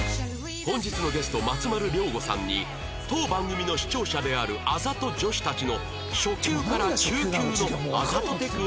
本日のゲスト松丸亮吾さんに当番組の視聴者であるあざと女子たちの初級から中級のあざとテクをご紹介